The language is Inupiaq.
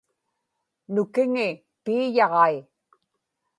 nukiŋi piiyaġai